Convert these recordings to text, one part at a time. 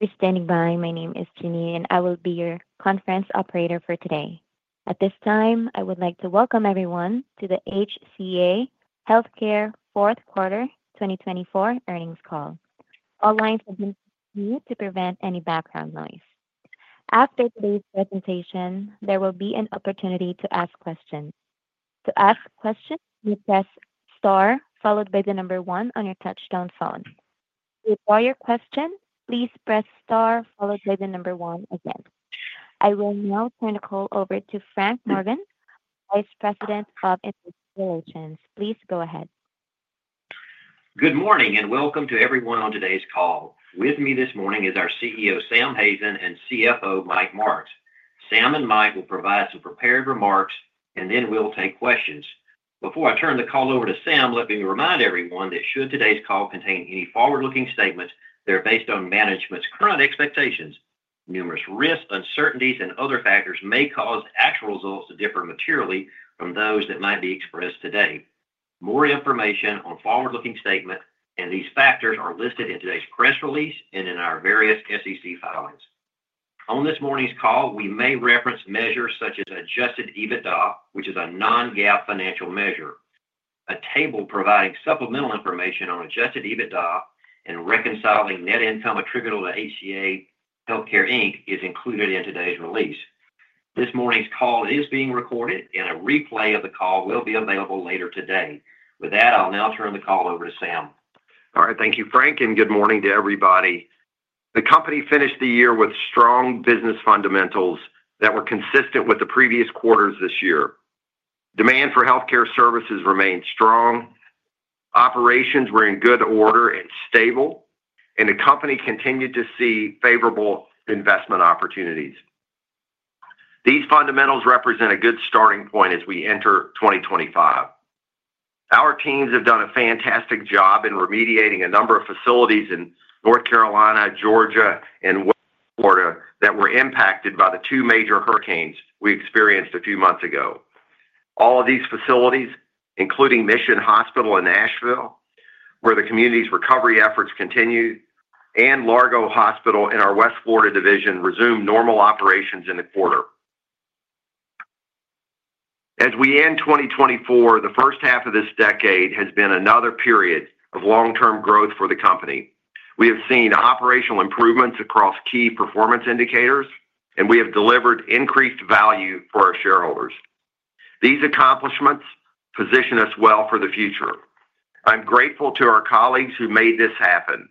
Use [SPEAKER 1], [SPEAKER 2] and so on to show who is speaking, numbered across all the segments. [SPEAKER 1] For standing by. My name is Janine, and I will be your conference operator for today. At this time, I would like to welcome everyone to the HCA Healthcare Fourth Quarter 2024 Earnings Call. All lines are muted to prevent any background noise. After today's presentation, there will be an opportunity to ask questions. To ask questions, please press star followed by the number one on your touch-tone phone. To queue your question, please press star followed by the number one again. I will now turn the call over to Frank Morgan, Vice President of Investor Relations. Please go ahead.
[SPEAKER 2] Good morning and welcome to everyone on today's call. With me this morning is our CEO, Sam Hazen, and CFO, Mike Marks. Sam and Mike will provide some prepared remarks, and then we'll take questions. Before I turn the call over to Sam, let me remind everyone that should today's call contain any forward-looking statements, they're based on management's current expectations. Numerous risks, uncertainties, and other factors may cause actual results to differ materially from those that might be expressed today. More information on forward-looking statements and these factors are listed in today's press release and in our various SEC filings. On this morning's call, we may reference measures such as Adjusted EBITDA, which is a non-GAAP financial measure. A table providing supplemental information on Adjusted EBITDA and reconciling net income attributable to HCA Healthcare Inc. is included in today's release. This morning's call is being recorded, and a replay of the call will be available later today. With that, I'll now turn the call over to Sam.
[SPEAKER 3] All right, thank you, Frank, and good morning to everybody. The company finished the year with strong business fundamentals that were consistent with the previous quarters this year. Demand for healthcare services remained strong. Operations were in good order and stable, and the company continued to see favorable investment opportunities. These fundamentals represent a good starting point as we enter 2025. Our teams have done a fantastic job in remediating a number of facilities in North Carolina, Georgia, and West Florida that were impacted by the two major hurricanes we experienced a few months ago. All of these facilities, including Mission Hospital in Asheville, where the community's recovery efforts continued, and Largo Hospital in our West Florida Division resumed normal operations in the quarter. As we end 2024, the first half of this decade has been another period of long-term growth for the company. We have seen operational improvements across key performance indicators, and we have delivered increased value for our shareholders. These accomplishments position us well for the future. I'm grateful to our colleagues who made this happen.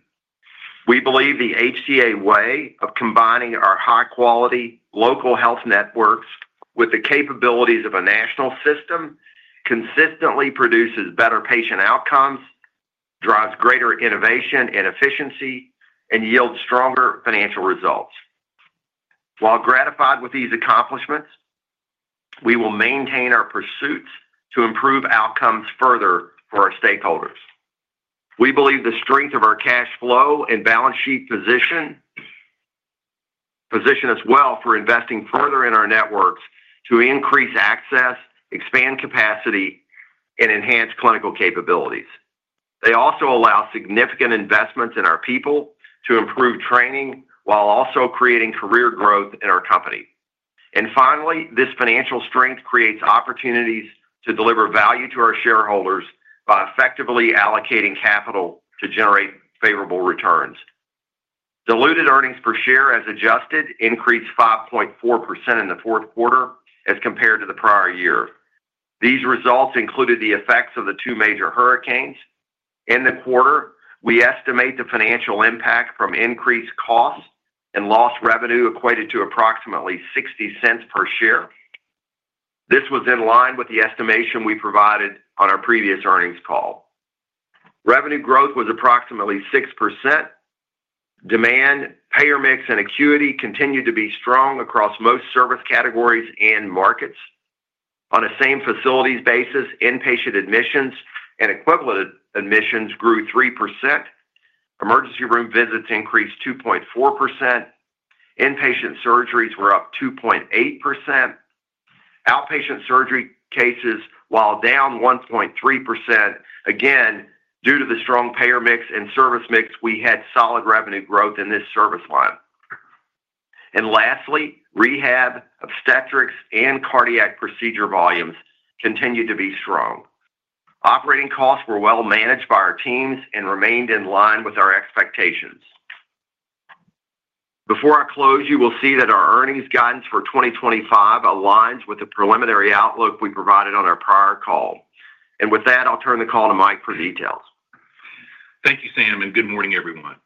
[SPEAKER 3] We believe the HCA way of combining our high-quality local health networks with the capabilities of a national system consistently produces better patient outcomes, drives greater innovation and efficiency, and yields stronger financial results. While gratified with these accomplishments, we will maintain our pursuits to improve outcomes further for our stakeholders. We believe the strength of our cash flow and balance sheet position us well for investing further in our networks to increase access, expand capacity, and enhance clinical capabilities. They also allow significant investments in our people to improve training while also creating career growth in our company. Finally, this financial strength creates opportunities to deliver value to our shareholders by effectively allocating capital to generate favorable returns. Diluted earnings per share as adjusted increased 5.4% in the fourth quarter as compared to the prior year. These results included the effects of the two major hurricanes. In the quarter, we estimate the financial impact from increased costs and lost revenue equated to approximately $0.60 per share. This was in line with the estimation we provided on our previous earnings call. Revenue growth was approximately 6%. Demand, payer mix, and acuity continued to be strong across most service categories and markets. On a same facilities basis, inpatient admissions and equivalent admissions grew 3%. Emergency room visits increased 2.4%. Inpatient surgeries were up 2.8%. Outpatient surgery cases while down 1.3%. Again, due to the strong payer mix and service mix, we had solid revenue growth in this service line. And lastly, rehab, obstetrics, and cardiac procedure volumes continued to be strong. Operating costs were well managed by our teams and remained in line with our expectations. Before I close, you will see that our earnings guidance for 2025 aligns with the preliminary outlook we provided on our prior call. And with that, I'll turn the call to Mike for details.
[SPEAKER 4] Thank you, Sam, and good morning, everyone.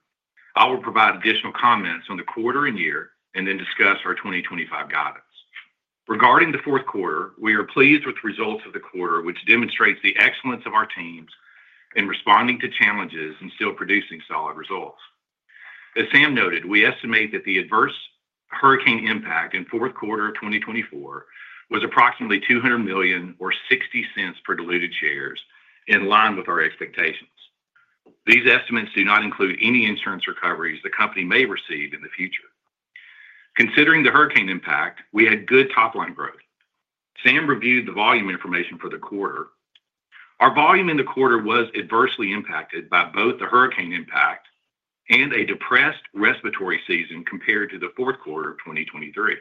[SPEAKER 4] I will provide additional comments on the quarter and year and then discuss our 2025 guidance. Regarding the fourth quarter, we are pleased with the results of the quarter, which demonstrates the excellence of our teams in responding to challenges and still producing solid results. As Sam noted, we estimate that the adverse hurricane impact in fourth quarter of 2024 was approximately $200 million or $0.60 per diluted share, in line with our expectations. These estimates do not include any insurance recoveries the company may receive in the future. Considering the hurricane impact, we had good top-line growth. Sam reviewed the volume information for the quarter. Our volume in the quarter was adversely impacted by both the hurricane impact and a depressed respiratory season compared to the fourth quarter of 2023.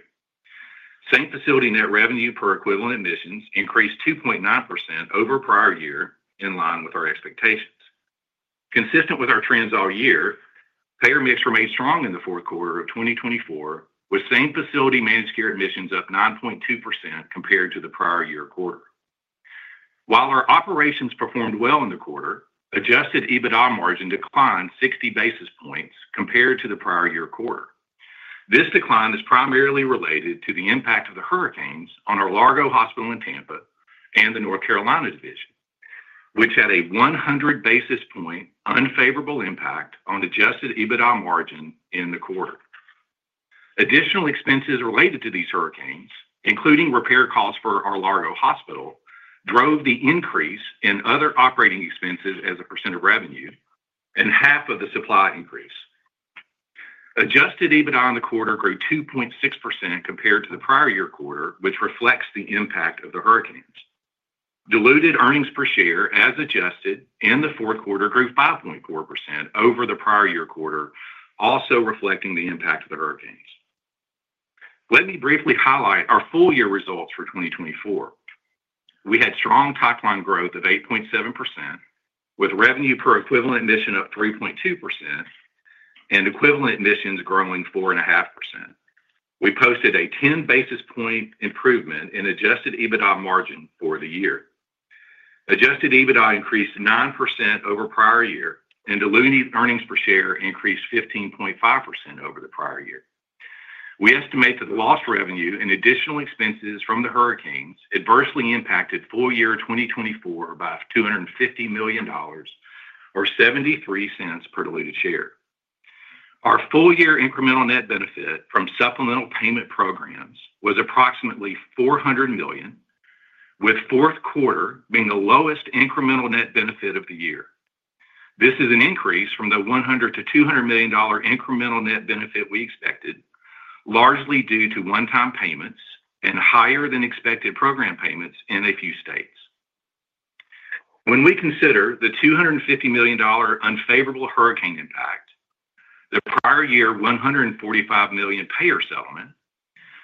[SPEAKER 4] Same facility net revenue per equivalent admissions increased 2.9% over prior year, in line with our expectations. Consistent with our trends all year, payer mix remained strong in the fourth quarter of 2024, with same facility managed care admissions up 9.2% compared to the prior year quarter. While our operations performed well in the quarter, Adjusted EBITDA margin declined 60 basis points compared to the prior year quarter. This decline is primarily related to the impact of the hurricanes on our Largo Hospital in Tampa and the North Carolina Division, which had a 100 basis point unfavorable impact on Adjusted EBITDA margin in the quarter. Additional expenses related to these hurricanes, including repair costs for our Largo Hospital, drove the increase in other operating expenses as a percent of revenue, and half of the supply increase. Adjusted EBITDA in the quarter grew 2.6% compared to the prior year quarter, which reflects the impact of the hurricanes. Diluted earnings per share as adjusted in the fourth quarter grew 5.4% over the prior year quarter, also reflecting the impact of the hurricanes. Let me briefly highlight our full year results for 2024. We had strong top-line growth of 8.7%, with revenue per equivalent admission up 3.2% and equivalent admissions growing 4.5%. We posted a 10 basis points improvement in Adjusted EBITDA margin for the year. Adjusted EBITDA increased 9% over prior year, and diluted earnings per share increased 15.5% over the prior year. We estimate that the lost revenue and additional expenses from the hurricanes adversely impacted full year 2024 by $250 million or $0.73 per diluted share. Our full year incremental net benefit from supplemental payment programs was approximately $400 million, with fourth quarter being the lowest incremental net benefit of the year. This is an increase from the $100 to $200 million incremental net benefit we expected, largely due to one-time payments and higher-than-expected program payments in a few states. When we consider the $250 million unfavorable hurricane impact, the prior year $145 million payer settlement,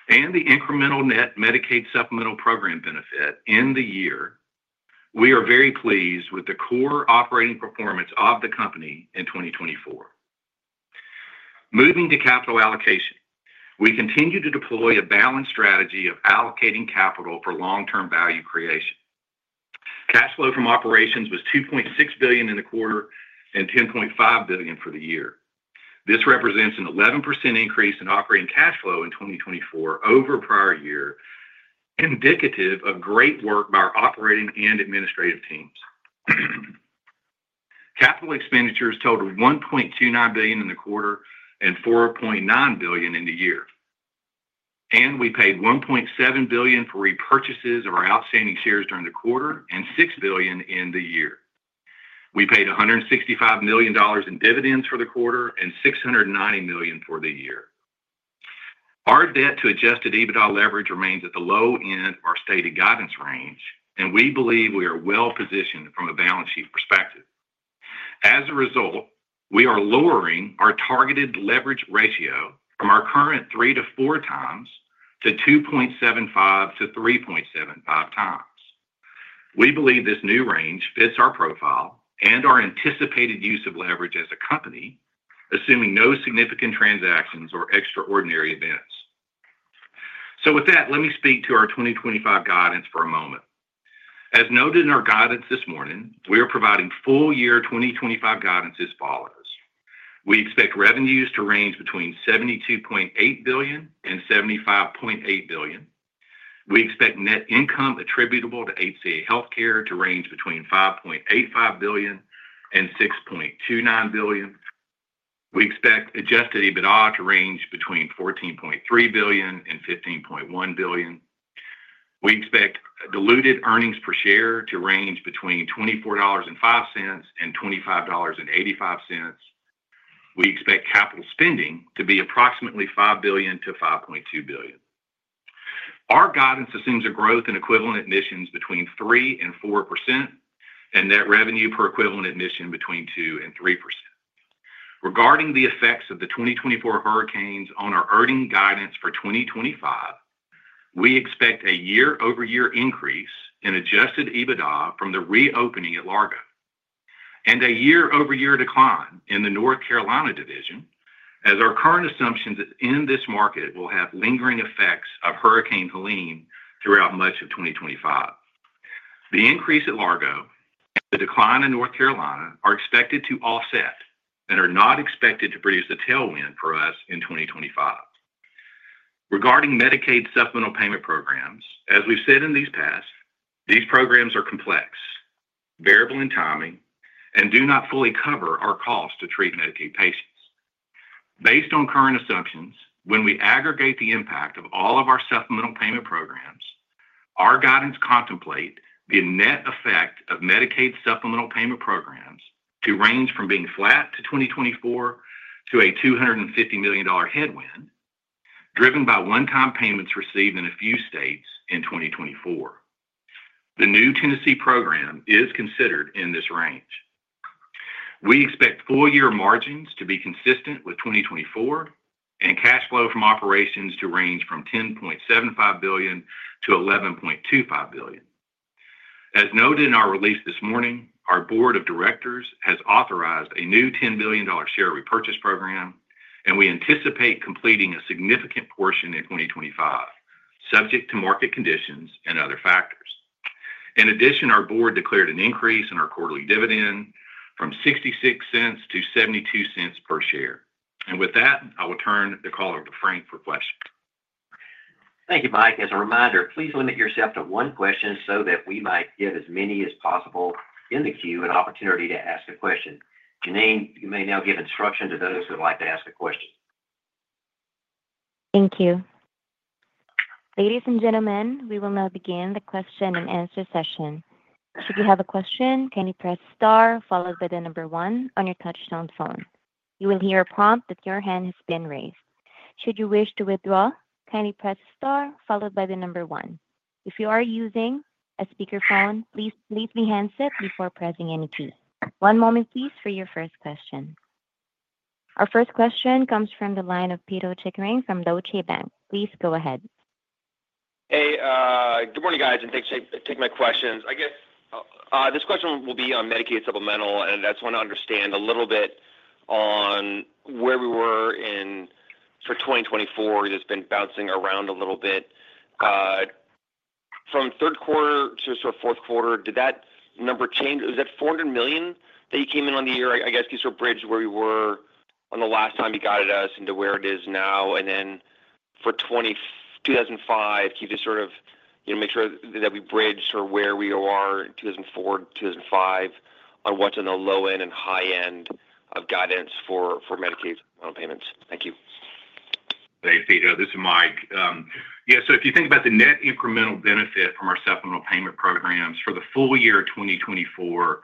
[SPEAKER 4] and the incremental net Medicaid supplemental program benefit in the year, we are very pleased with the core operating performance of the company in 2024. Moving to capital allocation, we continue to deploy a balanced strategy of allocating capital for long-term value creation. Cash flow from operations was $2.6 billion in the quarter and $10.5 billion for the year. This represents an 11% increase in operating cash flow in 2024 over prior year, indicative of great work by our operating and administrative teams. Capital expenditures totaled $1.29 billion in the quarter and $4.9 billion in the year, and we paid $1.7 billion for repurchases of our outstanding shares during the quarter and $6 billion in the year. We paid $165 million in dividends for the quarter and $690 million for the year. Our debt to Adjusted EBITDA leverage remains at the low end of our stated guidance range, and we believe we are well positioned from a balance sheet perspective. As a result, we are lowering our targeted leverage ratio from our current three to four times to 2.75 to 3.75 times. We believe this new range fits our profile and our anticipated use of leverage as a company, assuming no significant transactions or extraordinary events. With that, let me speak to our 2025 guidance for a moment. As noted in our guidance this morning, we are providing full year 2025 guidance as follows. We expect revenues to range between $72.8 billion and $75.8 billion. We expect net income attributable to HCA Healthcare to range between $5.85 billion and $6.29 billion. We expect Adjusted EBITDA to range between $14.3 billion and $15.1 billion. We expect diluted earnings per share to range between $24.05 and $25.85. We expect capital spending to be approximately $5 billion to $5.2 billion. Our guidance assumes a growth in equivalent admissions between 3% and 4% and net revenue per equivalent admission between 2% and 3%. Regarding the effects of the 2024 hurricanes on our earnings guidance for 2025, we expect a year-over-year increase in Adjusted EBITDA from the reopening at Largo, and a year over year decline in the North Carolina division, as our current assumptions in this market will have lingering effects of Hurricane Helene throughout much of 2025. The increase at Largo and the decline in North Carolina are expected to offset and are not expected to produce a tailwind for us in 2025. Regarding Medicaid supplemental payment programs, as we've said in the past, these programs are complex, variable in timing, and do not fully cover our cost to treat Medicaid patients. Based on current assumptions, when we aggregate the impact of all of our supplemental payment programs, our guidance contemplate the net effect of Medicaid supplemental payment programs to range from being flat to 2024 to a $250 million headwind driven by one-time payments received in a few states in 2024. The new Tennessee program is considered in this range. We expect full year margins to be consistent with 2024, and cash flow from operations to range from $10.75 billion to $11.25 billion. As noted in our release this morning, our board of directors has authorized a new $10 billion share repurchase program, and we anticipate completing a significant portion in 2025, subject to market conditions and other factors. In addition, our board declared an increase in our quarterly dividend from $0.66 to $0.72 per share. And with that, I will turn the call over to Frank for questions.
[SPEAKER 2] Thank you, Mike. As a reminder, please limit yourself to one question so that we might get as many as possible in the queue an opportunity to ask a question. Janine, you may now give instruction to those who would like to ask a question.
[SPEAKER 1] Thank you. Ladies and gentlemen, we will now begin the question and answer session. Should you have a question, kindly press star followed by the number one on your touch-tone phone. You will hear a prompt that your hand has been raised. Should you wish to withdraw, kindly press star followed by the number one. If you are using a speakerphone, please leave the handset before pressing any key. One moment, please, for your first question. Our first question comes from the line of Peter Chickering from Deutsche Bank. Please go ahead.
[SPEAKER 5] Hey, good morning, guys. And thanks for taking my questions. I guess this question will be on Medicaid supplemental, and I just want to understand a little bit on where we were in for 2024. It's been bouncing around a little bit. From third quarter to sort of fourth quarter, did that number change? Was that $400 million that you came in on the year? I guess could you sort of bridge where we were on the last time you guided us into where it is now? And then for 2025, can you just sort of make sure that we bridge sort of where we were in 2024, 2025 on what's on the low end and high end of guidance for Medicaid supplemental payments? Thank you.
[SPEAKER 4] Thanks, Peter. This is Mike. Yeah, so if you think about the net incremental benefit from our supplemental payment programs for the full year of 2024,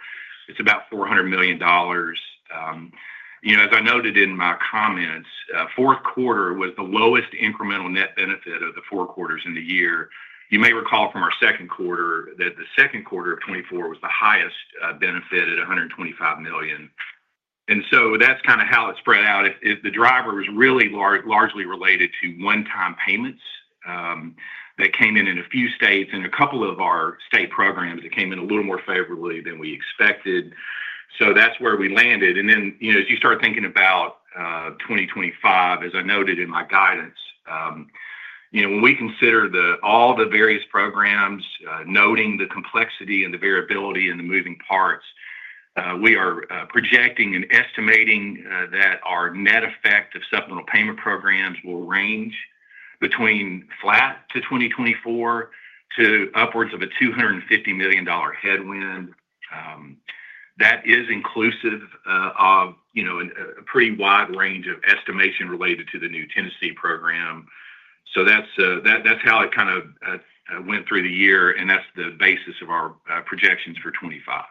[SPEAKER 4] it's about $400 million. As I noted in my comments, fourth quarter was the lowest incremental net benefit of the four quarters in the year. You may recall from our second quarter that the second quarter of 2024 was the highest benefit at $125 million. And so that's kind of how it spread out. The driver was really largely related to one-time payments that came in in a few states and a couple of our state programs that came in a little more favorably than we expected. So that's where we landed. And then as you start thinking about 2025, as I noted in my guidance, when we consider all the various programs, noting the complexity and the variability and the moving parts, we are projecting and estimating that our net effect of supplemental payment programs will range between flat to 2024 to upwards of a $250 million headwind. That is inclusive of a pretty wide range of estimation related to the new Tennessee program. So that's how it kind of went through the year, and that's the basis of our projections for 2025.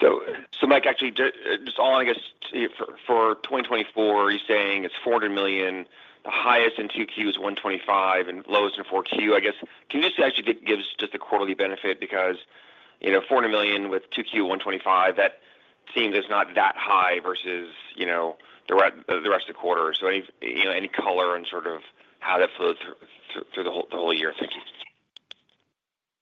[SPEAKER 5] So, Mike, actually, just all I guess for 2024, you're saying it's $400 million, the highest in 2Q is $125 million, and lowest in 4Q. I guess can you just actually give us just the quarterly benefit? Because $400 million with 2Q of $125 million, that seems as not that high versus the rest of the quarter, so any color on sort of how that flows through the whole year? Thank you.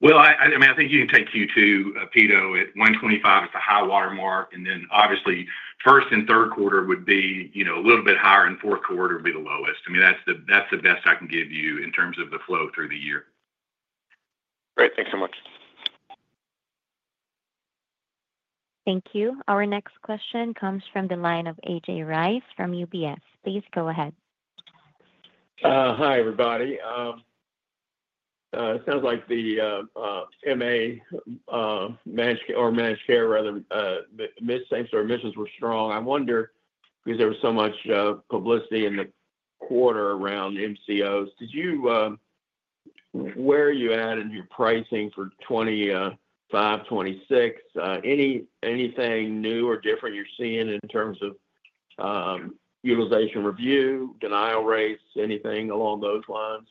[SPEAKER 4] Well, I mean, I think you can take Q2, Peter. At 125, it's a high watermark. And then obviously, first and third quarter would be a little bit higher, and fourth quarter would be the lowest. I mean, that's the best I can give you in terms of the flow through the year.
[SPEAKER 5] Great. Thanks so much.
[SPEAKER 1] Thank you. Our next question comes from the line of A.J. Rice from UBS. Please go ahead.
[SPEAKER 6] Hi, everybody. It sounds like the MA or managed care, rather, admissions were strong. I wonder because there was so much publicity in the quarter around MCOs. Where are you at in your pricing for 2025, 2026? Anything new or different you're seeing in terms of utilization review, denial rates, anything along those lines?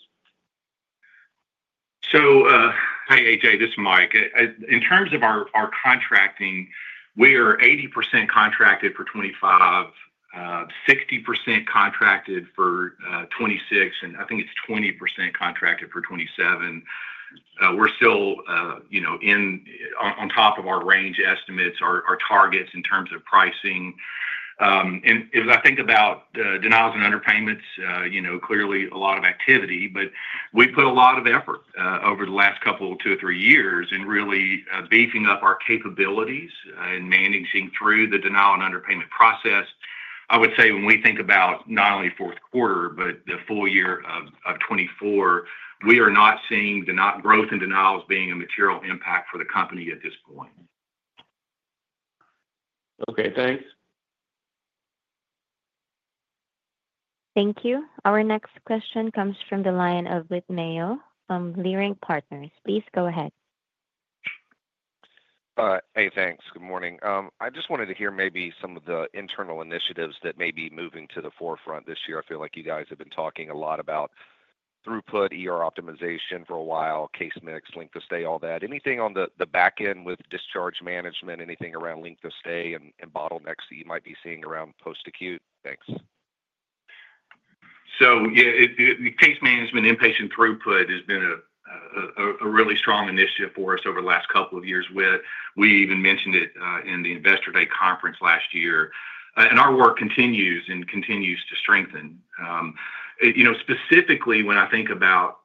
[SPEAKER 4] So, hey, A.J., this is Mike. In terms of our contracting, we are 80% contracted for 2025, 60% contracted for 2026, and I think it's 20% contracted for 2027. We're still on top of our range estimates, our targets in terms of pricing. And as I think about denials and underpayments, clearly a lot of activity, but we put a lot of effort over the last couple of two or three years in really beefing up our capabilities and managing through the denial and underpayment process. I would say when we think about not only fourth quarter, but the full year of 2024, we are not seeing the growth in denials being a material impact for the company at this point.
[SPEAKER 6] Okay. Thanks.
[SPEAKER 1] Thank you. Our next question comes from the line of Whit Mayo from Leerink Partners. Please go ahead.
[SPEAKER 7] All right. Hey, thanks. Good morning. I just wanted to hear maybe some of the internal initiatives that may be moving to the forefront this year. I feel like you guys have been talking a lot about throughput, optimization for a while, case mix, length of stay, all that. Anything on the back end with discharge management, anything around length of stay and bottlenecks that you might be seeing around post-acute? Thanks.
[SPEAKER 4] So, yeah, case management, inpatient throughput has been a really strong initiative for us over the last couple of years with. We even mentioned it in the Investor Day conference last year. And our work continues and continues to strengthen. Specifically, when I think about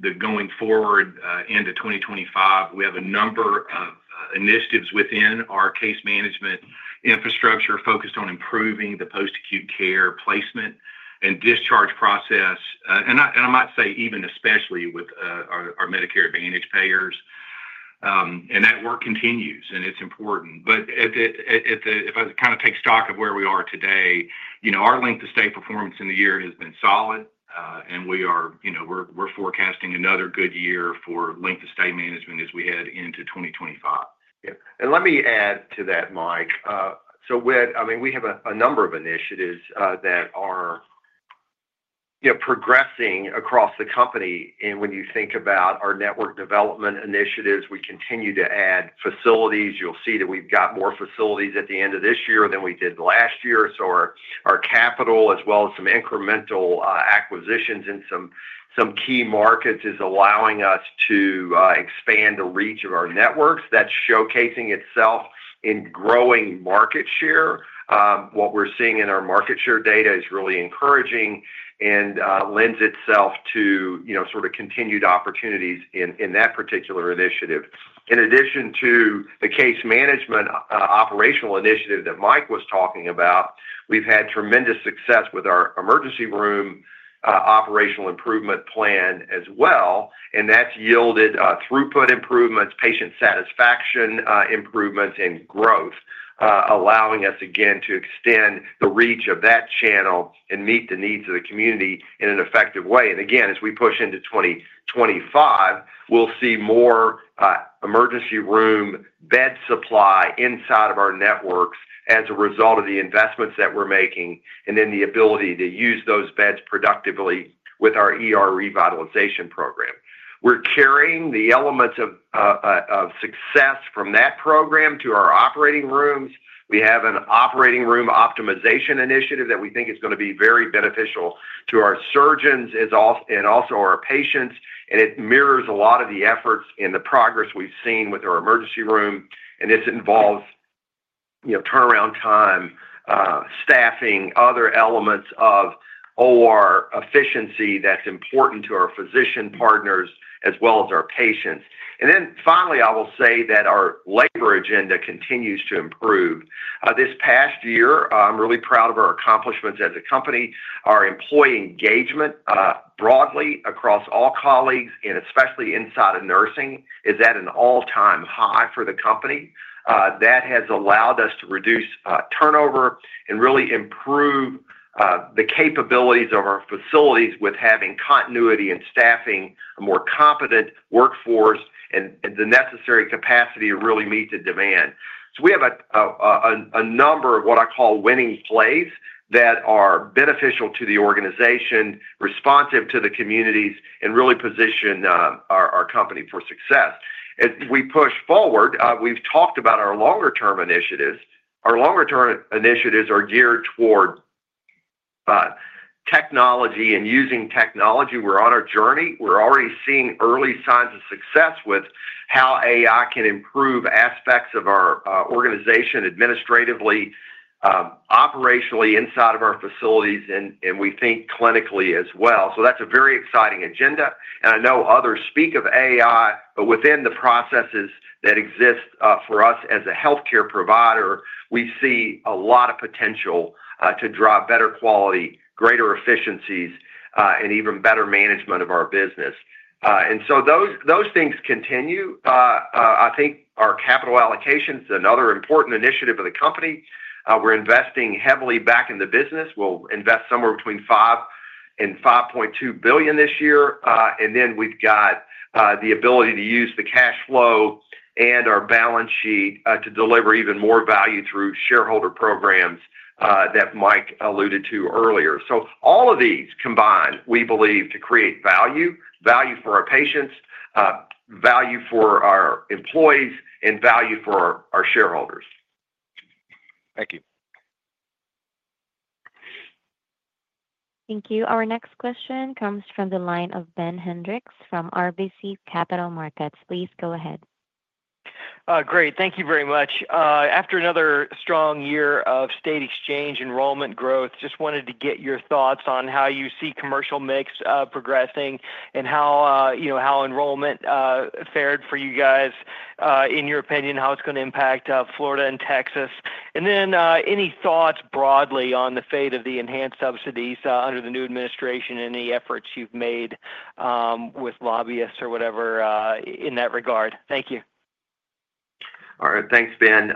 [SPEAKER 4] the going forward into 2025, we have a number of initiatives within our case management infrastructure focused on improving the post-acute care placement and discharge process. And I might say even especially with our Medicare Advantage payers. And that work continues, and it's important. But if I kind of take stock of where we are today, our length of stay performance in the year has been solid, and we're forecasting another good year for length of stay management as we head into 2025.
[SPEAKER 3] Yeah. And let me add to that, Mike. So, I mean, we have a number of initiatives that are progressing across the company. And when you think about our network development initiatives, we continue to add facilities. You'll see that we've got more facilities at the end of this year than we did last year. So our capital, as well as some incremental acquisitions in some key markets, is allowing us to expand the reach of our networks. That's showcasing itself in growing market share. What we're seeing in our market share data is really encouraging and lends itself to sort of continued opportunities in that particular initiative. In addition to the case management operational initiative that Mike was talking about, we've had tremendous success with our emergency room operational improvement plan as well. And that's yielded throughput improvements, patient satisfaction improvements, and growth, allowing us, again, to extend the reach of that channel and meet the needs of the community in an effective way. And again, as we push into 2025, we'll see more emergency room bed supply inside of our networks as a result of the investments that we're making and then the ability to use those beds productively with our revitalization program. We're carrying the elements of success from that program to our operating rooms. We have an operating room optimization initiative that we think is going to be very beneficial to our surgeons and also our patients. And it mirrors a lot of the efforts and the progress we've seen with our emergency room. And this involves turnaround time, staffing, other elements of OR efficiency that's important to our physician partners as well as our patients. Then finally, I will say that our labor agenda continues to improve. This past year, I'm really proud of our accomplishments as a company. Our employee engagement broadly across all colleagues, and especially inside of nursing, is at an all-time high for the company. That has allowed us to reduce turnover and really improve the capabilities of our facilities with having continuity in staffing, a more competent workforce, and the necessary capacity to really meet the demand. So we have a number of what I call winning plays that are beneficial to the organization, responsive to the communities, and really position our company for success. As we push forward, we've talked about our longer-term initiatives. Our longer-term initiatives are geared toward technology and using technology. We're on our journey. We're already seeing early signs of success with how AI can improve aspects of our organization administratively, operationally inside of our facilities, and we think clinically as well. So that's a very exciting agenda. And I know others speak of AI, but within the processes that exist for us as a healthcare provider, we see a lot of potential to drive better quality, greater efficiencies, and even better management of our business. And so those things continue. I think our capital allocation is another important initiative of the company. We're investing heavily back in the business. We'll invest somewhere between $5 billion and $5.2 billion this year. And then we've got the ability to use the cash flow and our balance sheet to deliver even more value through shareholder programs that Mike alluded to earlier. So all of these combined, we believe, to create value, value for our patients, value for our employees, and value for our shareholders.
[SPEAKER 7] Thank you.
[SPEAKER 1] Thank you. Our next question comes from the line of Ben Hendricks from RBC Capital Markets. Please go ahead.
[SPEAKER 7] Great. Thank you very much. After another strong year of state exchange enrollment growth, just wanted to get your thoughts on how you see commercial mix progressing and how enrollment fared for you guys, in your opinion, how it's going to impact Florida and Texas, and then any thoughts broadly on the fate of the enhanced subsidies under the new administration and any efforts you've made with lobbyists or whatever in that regard. Thank you.
[SPEAKER 3] All right. Thanks, Ben.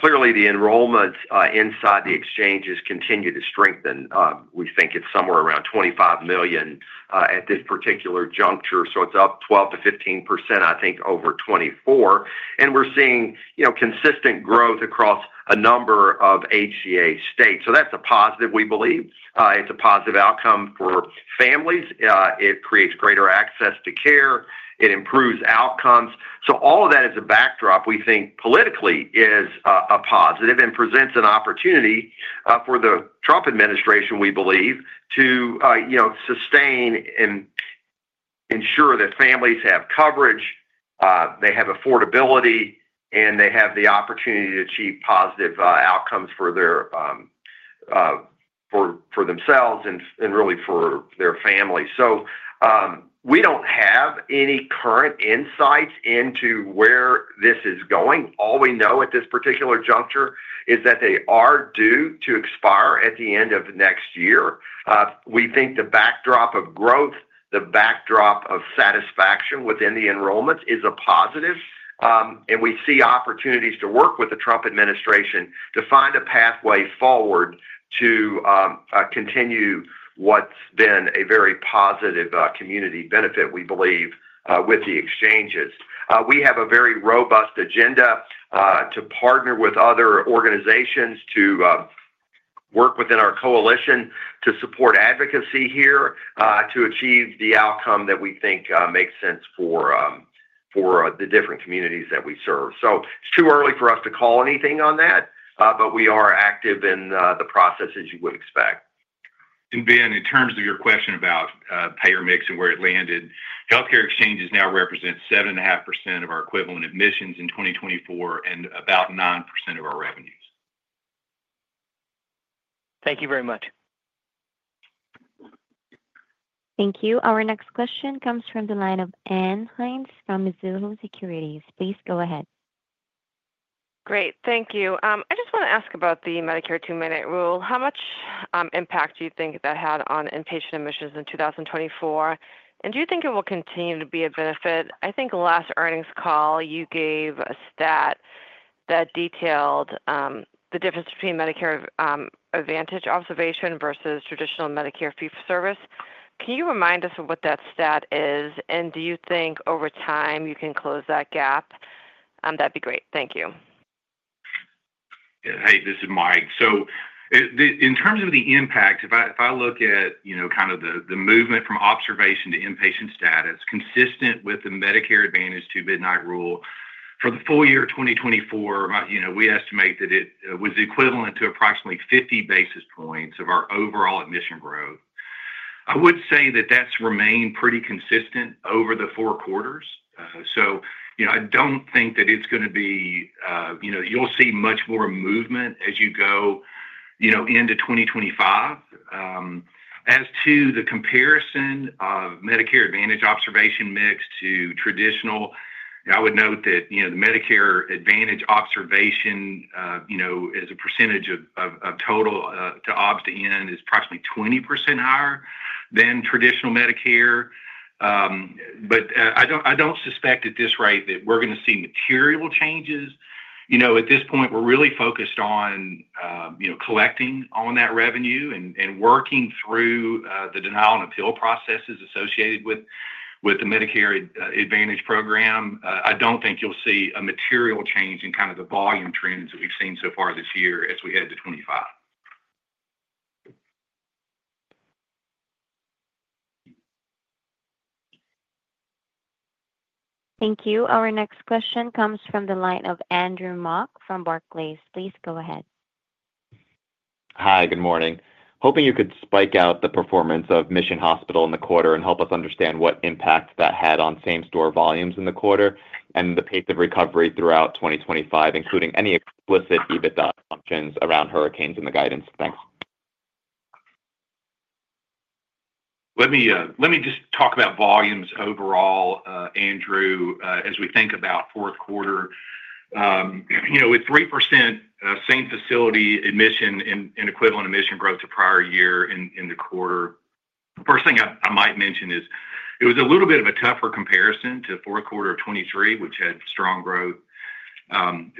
[SPEAKER 3] Clearly, the enrollments inside the exchanges continue to strengthen. We think it's somewhere around 25 million at this particular juncture, so it's up 12% to 15%, I think, over 2024, and we're seeing consistent growth across a number of HCA states. So that's a positive, we believe. It's a positive outcome for families. It creates greater access to care. It improves outcomes. So all of that as a backdrop, we think politically is a positive and presents an opportunity for the Trump administration, we believe, to sustain and ensure that families have coverage, they have affordability, and they have the opportunity to achieve positive outcomes for themselves and really for their families, so we don't have any current insights into where this is going. All we know at this particular juncture is that they are due to expire at the end of next year. We think the backdrop of growth, the backdrop of satisfaction within the enrollments is a positive, and we see opportunities to work with the Trump administration to find a pathway forward to continue what's been a very positive community benefit, we believe, with the exchanges. We have a very robust agenda to partner with other organizations to work within our coalition to support advocacy here to achieve the outcome that we think makes sense for the different communities that we serve, so it's too early for us to call anything on that, but we are active in the process as you would expect.
[SPEAKER 4] Ben, in terms of your question about payer mix and where it landed, healthcare exchanges now represent 7.5% of our equivalent admissions in 2024 and about 9% of our revenues.
[SPEAKER 8] Thank you very much.
[SPEAKER 1] Thank you. Our next question comes from the line of Ann Hynes from Mizuho Securities. Please go ahead.
[SPEAKER 7] Great. Thank you. I just want to ask about the Medicare Two-Midnight Rule. How much impact do you think that had on inpatient admissions in 2024? And do you think it will continue to be a benefit? I think last earnings call, you gave a stat that detailed the difference between Medicare Advantage observation versus traditional Medicare fee for service. Can you remind us of what that stat is? And do you think over time you can close that gap? That'd be great. Thank you.
[SPEAKER 4] Hey, this is Mike. So in terms of the impact, if I look at kind of the movement from observation to inpatient status consistent with the Medicare Advantage Two-Midnight Rule, for the full year of 2024, we estimate that it was equivalent to approximately 50 basis points of our overall admission growth. I would say that that's remained pretty consistent over the four quarters. So I don't think that it's going to be you'll see much more movement as you go into 2025. As to the comparison of Medicare Advantage observation mix to traditional, I would note that the Medicare Advantage observation as a percentage of total observations is approximately 20% higher than traditional Medicare. But I don't suspect at this rate that we're going to see material changes. At this point, we're really focused on collecting on that revenue and working through the denial and appeal processes associated with the Medicare Advantage program. I don't think you'll see a material change in kind of the volume trends that we've seen so far this year as we head to 2025.
[SPEAKER 1] Thank you. Our next question comes from the line of Andrew Mok from Barclays. Please go ahead.
[SPEAKER 9] Hi, good morning. Hoping you could break out the performance of Mission Hospital in the quarter and help us understand what impact that had on same-store volumes in the quarter and the pace of recovery throughout 2025, including any explicit EBITDA assumptions around hurricanes in the guidance. Thanks.
[SPEAKER 3] Let me just talk about volumes overall, Andrew, as we think about fourth quarter. With 3% same-facility admission and equivalent admission growth to prior year in the quarter, the first thing I might mention is it was a little bit of a tougher comparison to fourth quarter of 2023, which had strong growth.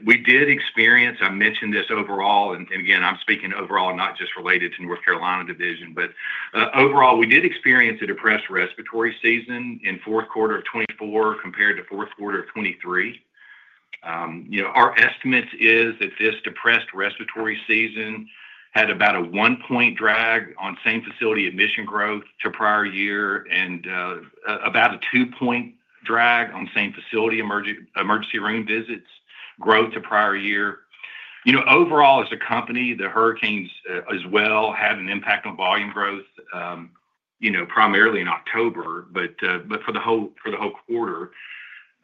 [SPEAKER 3] We did experience. I mentioned this overall, and again, I'm speaking overall, not just related to North Carolina Division. But overall, we did experience a depressed respiratory season in fourth quarter of 2024 compared to fourth quarter of 2023. Our estimate is that this depressed respiratory season had about a one-point drag on same-facility admission growth to prior year and about a two-point drag on same-facility emergency room visits growth to prior year. Overall, as a company, the hurricanes as well had an impact on volume growth primarily in October, but for the whole quarter.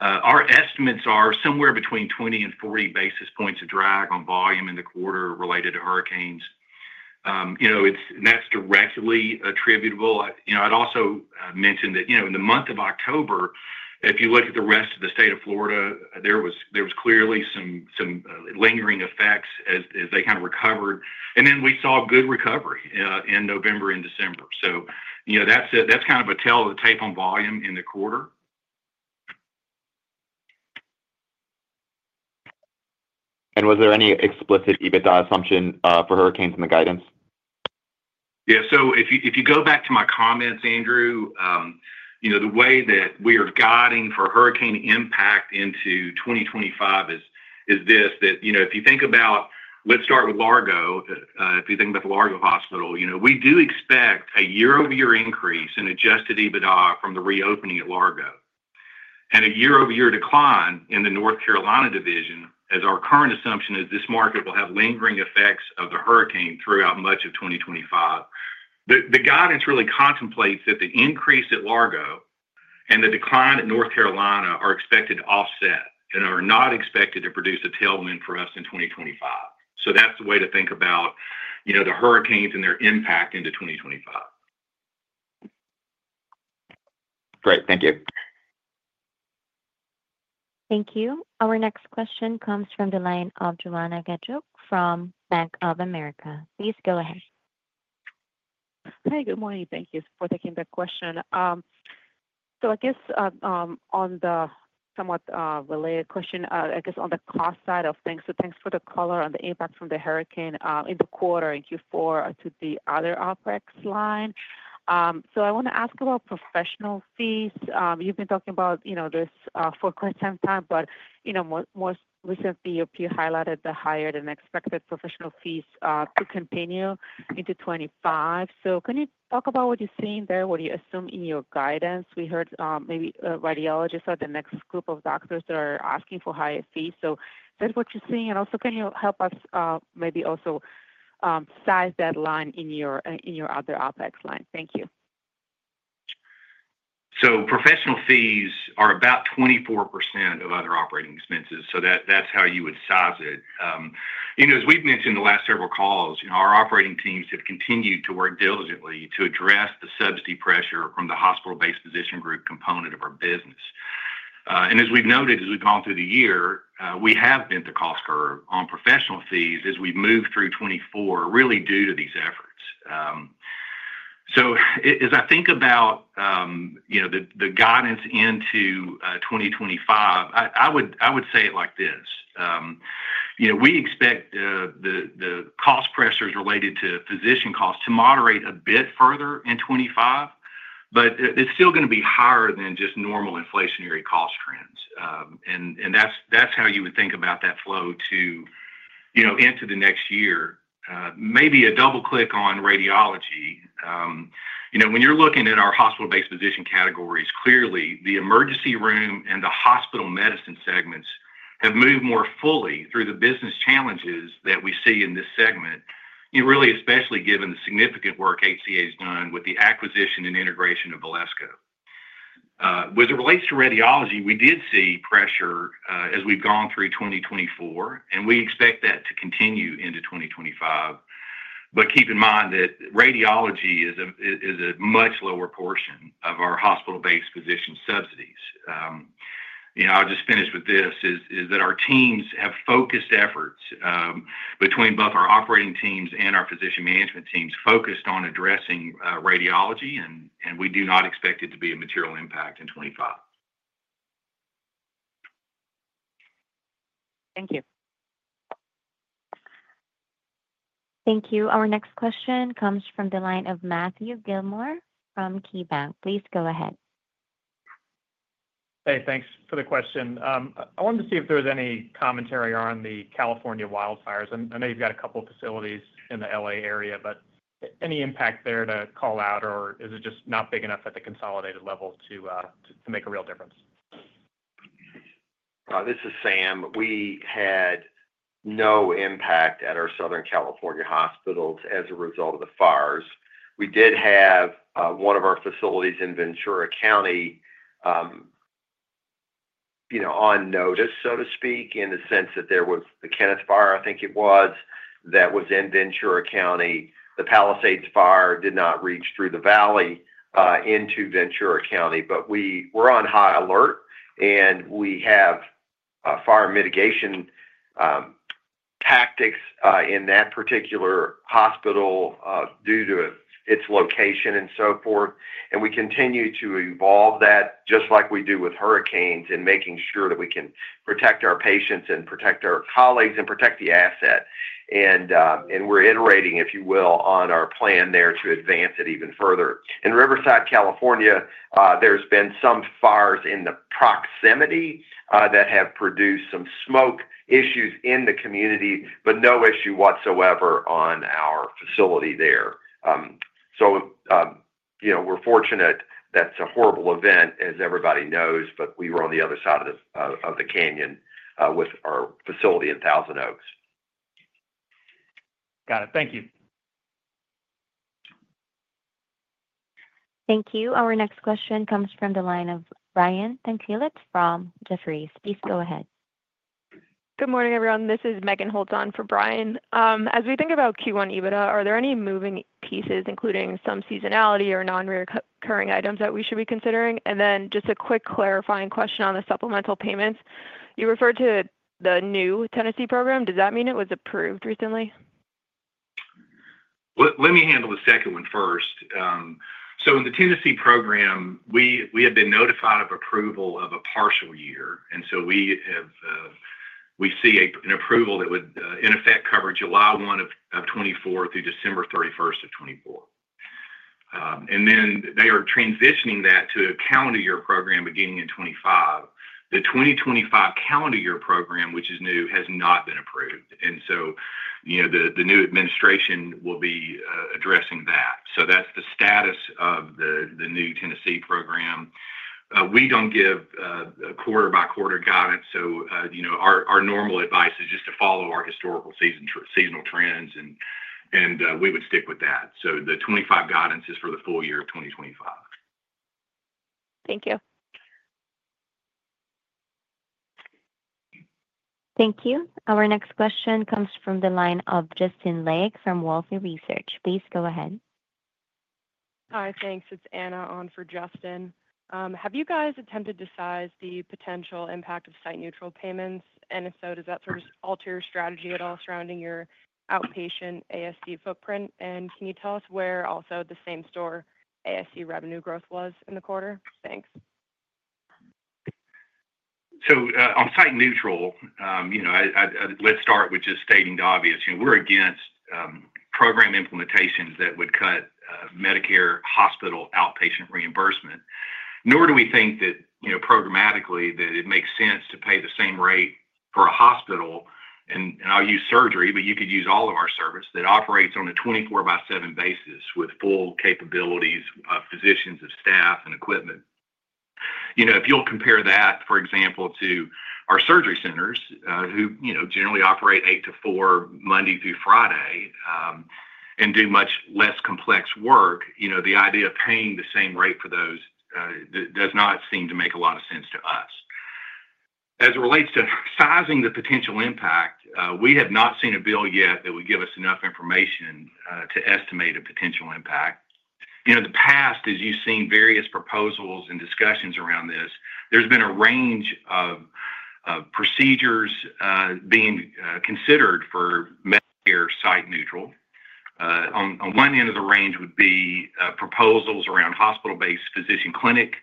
[SPEAKER 3] Our estimates are somewhere between 20 and 40 basis points of drag on volume in the quarter related to hurricanes. That's directly attributable. I'd also mention that in the month of October, if you look at the rest of the state of Florida, there was clearly some lingering effects as they kind of recovered. And then we saw good recovery in November and December. So that's kind of a tale of the tape on volume in the quarter.
[SPEAKER 9] Was there any explicit EBITDA assumption for hurricanes in the guidance?
[SPEAKER 3] Yeah. So if you go back to my comments, Andrew, the way that we are guiding for hurricane impact into 2025 is this: that if you think about, let's start with Largo. If you think about the Largo Hospital, we do expect a year over year increase in Adjusted EBITDA from the reopening at Largo and a year over year decline in the North Carolina Division, as our current assumption is this market will have lingering effects of the hurricane throughout much of 2025. The guidance really contemplates that the increase at Largo and the decline at North Carolina are expected to offset and are not expected to produce a tailwind for us in 2025. So that's the way to think about the hurricanes and their impact into 2025.
[SPEAKER 9] Great. Thank you.
[SPEAKER 1] Thank you. Our next question comes from the line of Joanna Gajuk from Bank of America. Please go ahead.
[SPEAKER 10] Hi, good morning. Thank you for taking the question. So I guess on the somewhat related question, I guess on the cost side of things, so thanks for the color on the impact from the hurricane in the quarter in Q4 to the other OpEx line. So I want to ask about professional fees. You've been talking about this for quite some time, but most recently, your peer highlighted the higher-than-expected professional fees to continue into 2025. So can you talk about what you're seeing there, what you assume in your guidance? We heard maybe radiologists are the next group of doctors that are asking for higher fees. So is that what you're seeing? And also, can you help us maybe also size that line in your other OpEx line? Thank you.
[SPEAKER 3] Professional fees are about 24% of other operating expenses. That's how you would size it. As we've mentioned in the last several calls, our operating teams have continued to work diligently to address the subsidy pressure from the hospital-based physician group component of our business. And as we've noted, as we've gone through the year, we have bent the cost curve on professional fees as we've moved through 2024 really due to these efforts. As I think about the guidance into 2025, I would say it like this, we expect the cost pressures related to physician costs to moderate a bit further in 2025, but it's still going to be higher than just normal inflationary cost trends. And that's how you would think about that flow to enter the next year. Maybe a double-click on radiology. When you're looking at our hospital-based physician categories, clearly, the emergency room and the hospital medicine segments have moved more fully through the business challenges that we see in this segment, really, especially given the significant work HCA has done with the acquisition and integration of Valesco. As it relates to radiology, we did see pressure as we've gone through 2024, and we expect that to continue into 2025. But keep in mind that radiology is a much lower portion of our hospital-based physician subsidies. I'll just finish with this: that our teams have focused efforts between both our operating teams and our physician management teams focused on addressing radiology, and we do not expect it to be a material impact in 2025.
[SPEAKER 7] Thank you.
[SPEAKER 1] Thank you. Our next question comes from the line of Matthew Gillmor from KeyBanc. Please go ahead.
[SPEAKER 11] Hey, thanks for the question. I wanted to see if there was any commentary on the California wildfires. I know you've got a couple of facilities in the LA area, but any impact there to call out, or is it just not big enough at the consolidated level to make a real difference?
[SPEAKER 3] This is Sam. We had no impact at our Southern California hospitals as a result of the fires. We did have one of our facilities in Ventura County on notice, so to speak, in the sense that there was the Kenneth Fire, I think it was, that was in Ventura County. The Palisades Fire did not reach through the valley into Ventura County, but we were on high alert, and we have fire mitigation tactics in that particular hospital due to its location and so forth. And we continue to evolve that just like we do with hurricanes in making sure that we can protect our patients and protect our colleagues and protect the asset. And we're iterating, if you will, on our plan there to advance it even further. In Riverside, California, there's been some fires in the proximity that have produced some smoke issues in the community, but no issue whatsoever on our facility there. So we're fortunate that's a horrible event, as everybody knows, but we were on the other side of the canyon with our facility in Thousand Oaks.
[SPEAKER 11] Got it. Thank you.
[SPEAKER 1] Thank you. Our next question comes from the line of Brian Tanquilut from Jefferies. Please go ahead.
[SPEAKER 12] Good morning, everyone. This is Megan Holton for Brian. As we think about Q1 EBITDA, are there any moving pieces, including some seasonality or non-recurring items that we should be considering? And then just a quick clarifying question on the supplemental payments. You referred to the new Tennessee program. Does that mean it was approved recently?
[SPEAKER 4] Let me handle the second one first. So in the Tennessee program, we have been notified of approval of a partial year. And so we see an approval that would, in effect, cover July 1 of 2024 through December 31st of 2024. And then they are transitioning that to a calendar year program beginning in 2025. The 2025 calendar year program, which is new, has not been approved. And so the new administration will be addressing that. So that's the status of the new Tennessee program. We don't give quarter-by-quarter guidance. So our normal advice is just to follow our historical seasonal trends, and we would stick with that. So the 2025 guidance is for the full year of 2025.
[SPEAKER 12] Thank you.
[SPEAKER 1] Thank you. Our next question comes from the line of Justin Lake from Wolfe Research. Please go ahead.
[SPEAKER 13] Hi, thanks. It's Anna on for Justin. Have you guys attempted to size the potential impact of site-neutral payments? And if so, does that sort of alter your strategy at all surrounding your outpatient ASC footprint? And can you tell us what was the same-store ASC revenue growth in the quarter? Thanks.
[SPEAKER 4] So on site-neutral, let's start with just stating the obvious. We're against program implementations that would cut Medicare hospital outpatient reimbursement. Nor do we think that programmatically that it makes sense to pay the same rate for a hospital. And I'll use surgery, but you could use all of our service that operates on a 24-by-7 basis with full capabilities of physicians, of staff, and equipment. If you'll compare that, for example, to our surgery centers, who generally operate 8:00 A.M. to 4:00 P.M., Monday through Friday, and do much less complex work, the idea of paying the same rate for those does not seem to make a lot of sense to us. As it relates to sizing the potential impact, we have not seen a bill yet that would give us enough information to estimate a potential impact. In the past, as you've seen various proposals and discussions around this, there's been a range of procedures being considered for Medicare site-neutral. On one end of the range would be proposals around hospital-based physician clinic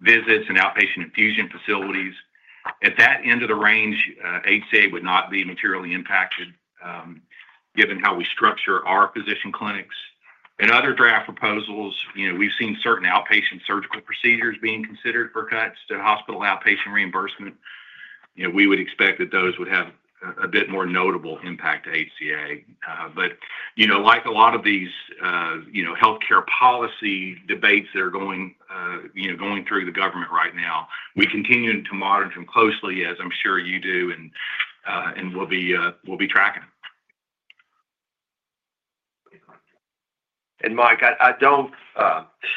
[SPEAKER 4] visits and outpatient infusion facilities. At that end of the range, HCA would not be materially impacted given how we structure our physician clinics. In other draft proposals, we've seen certain outpatient surgical procedures being considered for cuts to hospital outpatient reimbursement. We would expect that those would have a bit more notable impact to HCA. But like a lot of these healthcare policy debates that are going through the government right now, we continue to monitor them closely, as I'm sure you do, and we'll be tracking.
[SPEAKER 3] And Mike, I don't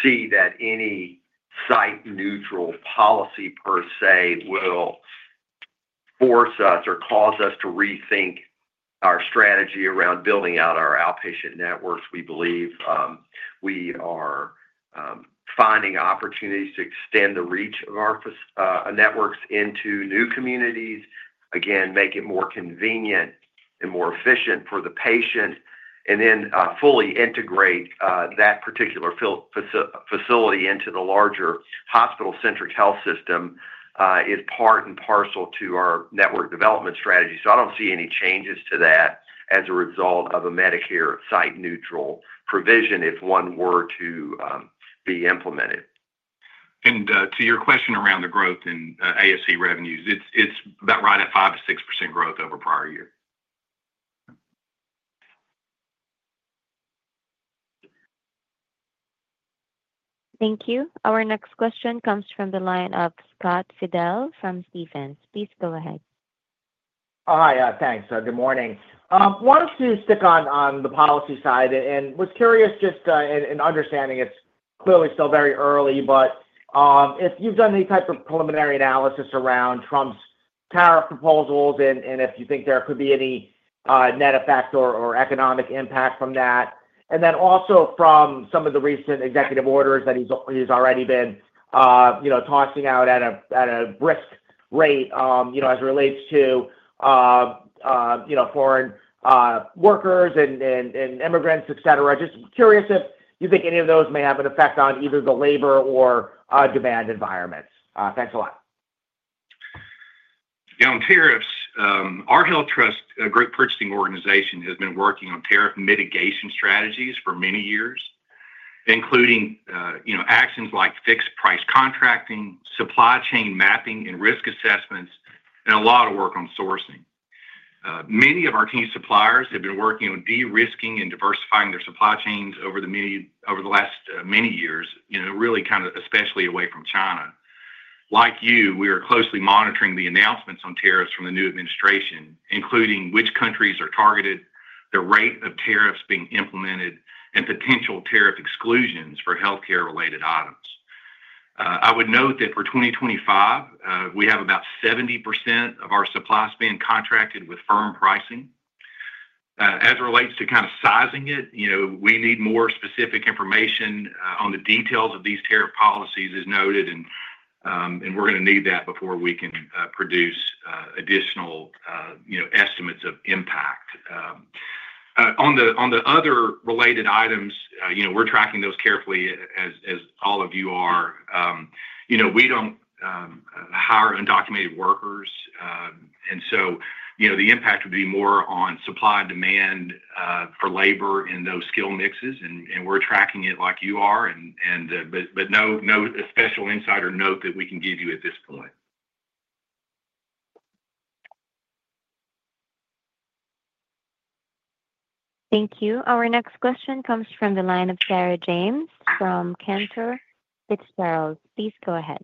[SPEAKER 3] see that any site-neutral policy per se will force us or cause us to rethink our strategy around building out our outpatient networks. We believe we are finding opportunities to extend the reach of our networks into new communities, again, make it more convenient and more efficient for the patient, and then fully integrate that particular facility into the larger hospital-centric health system is part and parcel to our network development strategy. So I don't see any changes to that as a result of a Medicare site-neutral provision if one were to be implemented.
[SPEAKER 4] To your question around the growth in ASC revenues, it's about right at 5% to 6% growth over prior year.
[SPEAKER 1] Thank you. Our next question comes from the line of Scott Fidel from Stephens. Please go ahead.
[SPEAKER 14] Hi, thanks. Good morning. Wanted to stick on the policy side and was curious just in understanding it's clearly still very early, but if you've done any type of preliminary analysis around Trump's tariff proposals and if you think there could be any net effect or economic impact from that, and then also from some of the recent executive orders that he's already been tossing out at a brisk rate as it relates to foreign workers and immigrants, etc. Just curious if you think any of those may have an effect on either the labor or demand environments. Thanks a lot.
[SPEAKER 4] On tariffs, our HealthTrust group purchasing organization has been working on tariff mitigation strategies for many years, including actions like fixed-price contracting, supply chain mapping, and risk assessments, and a lot of work on sourcing. Many of our key suppliers have been working on de-risking and diversifying their supply chains over the last many years, really kind of especially away from China. Like you, we are closely monitoring the announcements on tariffs from the new administration, including which countries are targeted, the rate of tariffs being implemented, and potential tariff exclusions for healthcare-related items. I would note that for 2025, we have about 70% of our supply spend contracted with firm pricing. As it relates to kind of sizing it, we need more specific information on the details of these tariff policies as noted, and we're going to need that before we can produce additional estimates of impact. On the other related items, we're tracking those carefully as all of you are. We don't hire undocumented workers, and so the impact would be more on supply and demand for labor in those skill mixes, and we're tracking it like you are, but no special insider note that we can give you at this point.
[SPEAKER 1] Thank you. Our next question comes from the line of Sarah James from Cantor Fitzgerald. Please go ahead.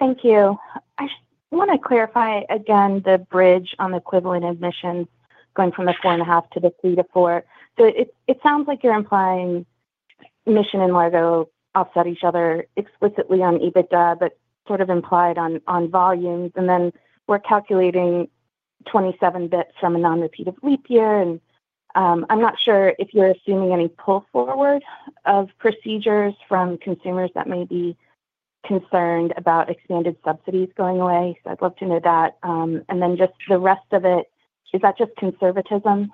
[SPEAKER 15] Thank you. I want to clarify again the bridge on the equivalent admissions going from the four and a half to the three to four. So it sounds like you're implying Mission and Largo offset each other explicitly on EBITDA, but sort of implied on volumes. And then we're calculating 27 basis points from a non-repeatable leap year. And I'm not sure if you're assuming any pull forward of procedures from consumers that may be concerned about expanded subsidies going away. So I'd love to know that. And then just the rest of it, is that just conservatism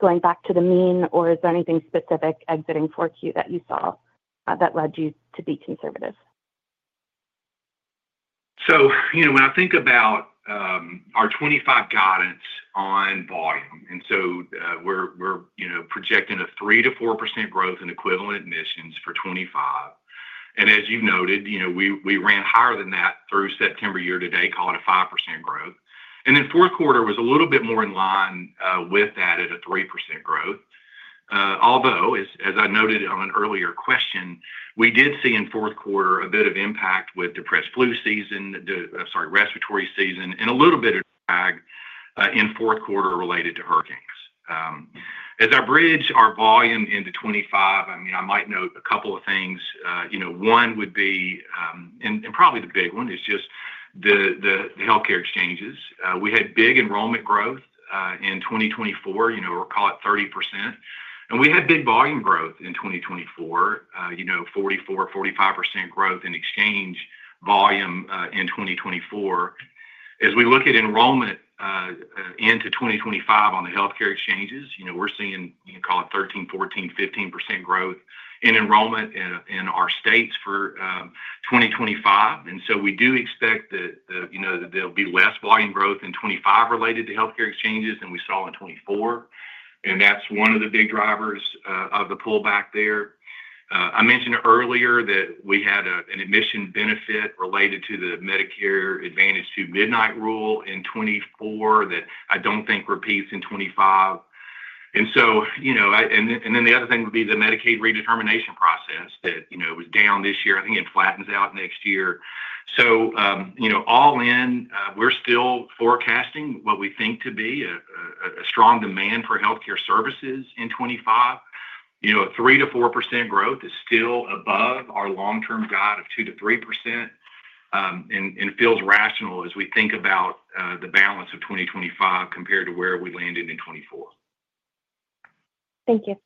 [SPEAKER 15] going back to the mean, or is there anything specific expected for Q that you saw that led you to be conservative?
[SPEAKER 4] So when I think about our 2025 guidance on volume, and so we're projecting a 3% to 4% growth in equivalent admissions for 2025. And as you noted, we ran higher than that through September year to date, calling it a 5% growth. And then fourth quarter was a little bit more in line with that at a 3% growth. Although, as I noted on an earlier question, we did see in fourth quarter a bit of impact with depressed flu season, sorry, respiratory season, and a little bit of drag in fourth quarter related to hurricanes. As I bridge our volume into 2025, I mean, I might note a couple of things. One would be, and probably the big one is just the healthcare exchanges. We had big enrollment growth in 2024, we'll call it 30%. We had big volume growth in 2024, 44-45% growth in exchange volume in 2024. As we look at enrollment into 2025 on the healthcare exchanges, we're seeing, call it 13, 15% growth in enrollment in our states for 2025. So we do expect that there'll be less volume growth in 2025 related to healthcare exchanges than we saw in 2024. That's one of the big drivers of the pullback there. I mentioned earlier that we had an admission benefit related to the Medicare Advantage Two-Midnight Rule in 2024 that I don't think repeats in 2025. Then the other thing would be the Medicaid redetermination process that was down this year. I think it flattens out next year. All in, we're still forecasting what we think to be a strong demand for healthcare services in 2025. A 3% to 4% growth is still above our long-term guide of 2% to 3% and feels rational as we think about the balance of 2025 compared to where we landed in 2024.
[SPEAKER 1] Thank you.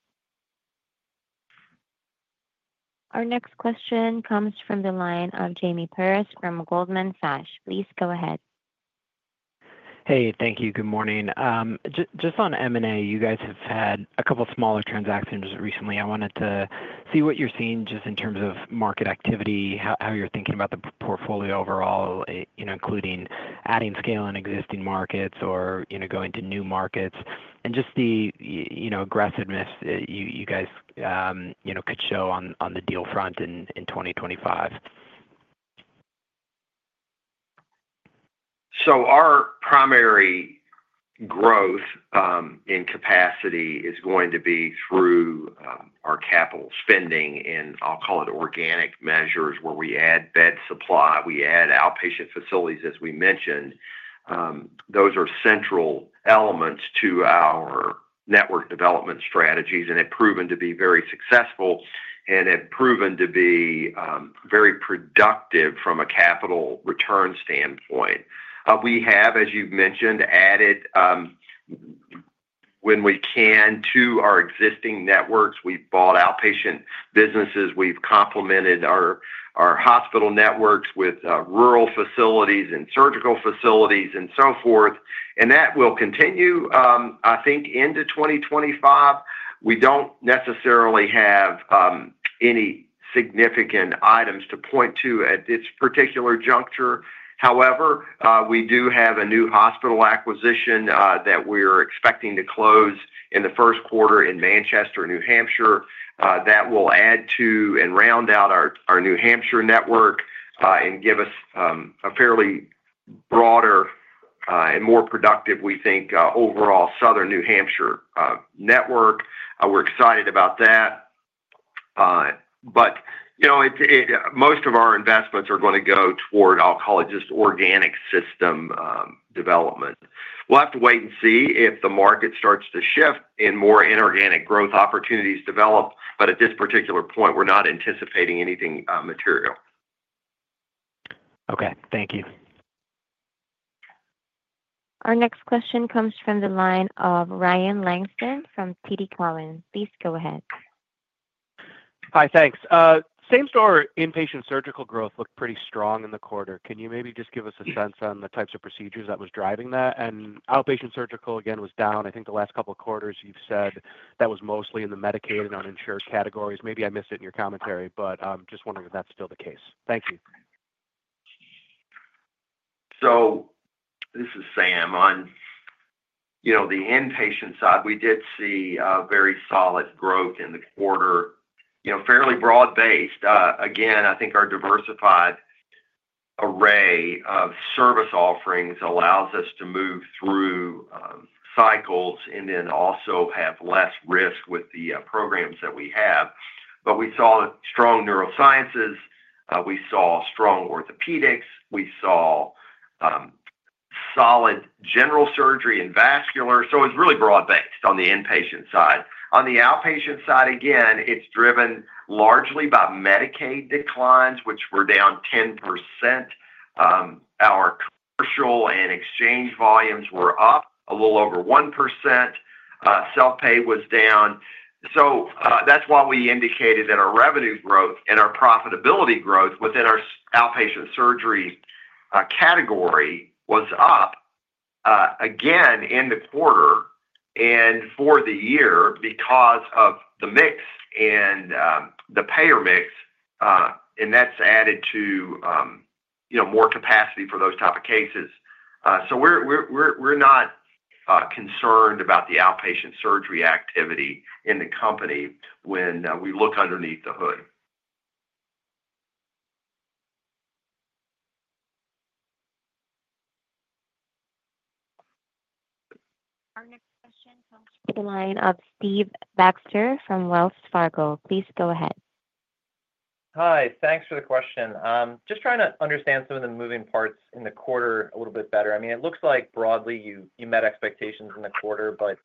[SPEAKER 1] Our next question comes from the line of Jamie Perse from Goldman Sachs. Please go ahead.
[SPEAKER 16] Hey, thank you. Good morning. Just on M&A, you guys have had a couple of smaller transactions recently. I wanted to see what you're seeing just in terms of market activity, how you're thinking about the portfolio overall, including adding scale in existing markets or going to new markets, and just the aggressiveness that you guys could show on the deal front in 2025.
[SPEAKER 4] So our primary growth in capacity is going to be through our capital spending in, I'll call it, organic measures where we add bed supply. We add outpatient facilities, as we mentioned. Those are central elements to our network development strategies and have proven to be very successful and have proven to be very productive from a capital return standpoint. We have, as you've mentioned, added when we can to our existing networks. We've bought outpatient businesses. We've complemented our hospital networks with rural facilities and surgical facilities and so forth. And that will continue, I think, into 2025. We don't necessarily have any significant items to point to at this particular juncture. However, we do have a new hospital acquisition that we're expecting to close in the first quarter in Manchester, New Hampshire. That will add to and round out our New Hampshire network and give us a fairly broader and more productive, we think, overall Southern New Hampshire network. We're excited about that. But most of our investments are going to go toward, I'll call it, just organic system development. We'll have to wait and see if the market starts to shift and more inorganic growth opportunities develop. But at this particular point, we're not anticipating anything material.
[SPEAKER 16] Okay. Thank you.
[SPEAKER 1] Our next question comes from the line of Ryan Langston from TD Cowen. Please go ahead.
[SPEAKER 17] Hi, thanks. Same story. Inpatient surgical growth looked pretty strong in the quarter. Can you maybe just give us a sense on the types of procedures that was driving that? And outpatient surgical, again, was down. I think the last couple of quarters you've said that was mostly in the Medicaid and uninsured categories. Maybe I missed it in your commentary, but just wondering if that's still the case. Thank you.
[SPEAKER 3] This is Sam. On the inpatient side, we did see very solid growth in the quarter, fairly broad-based. Again, I think our diversified array of service offerings allows us to move through cycles and then also have less risk with the programs that we have. But we saw strong neurosciences. We saw strong orthopedics. We saw solid general surgery and vascular. So it's really broad-based on the inpatient side. On the outpatient side, again, it's driven largely by Medicaid declines, which were down 10%. Our commercial and exchange volumes were up a little over 1%. Self-pay was down. So that's why we indicated that our revenue growth and our profitability growth within our outpatient surgery category was up again in the quarter and for the year because of the mix and the payer mix. And that's added to more capacity for those types of cases. We're not concerned about the outpatient surgery activity in the company when we look underneath the hood.
[SPEAKER 1] Our next question comes from the line of Stephen Baxter from Wells Fargo. Please go ahead.
[SPEAKER 18] Hi. Thanks for the question. Just trying to understand some of the moving parts in the quarter a little bit better. I mean, it looks like broadly you met expectations in the quarter, but